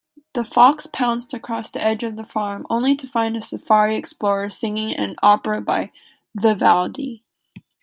The fox pounced across the edge of the farm, only to find a safari explorer singing an opera by Vivaldi.